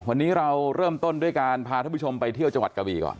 วันนี้เราเริ่มต้นด้วยการพาท่านผู้ชมไปเที่ยวจังหวัดกะบีก่อน